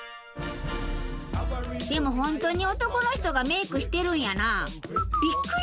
でもホントに男の人がメイクしてるんやなあ。